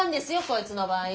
こいつの場合。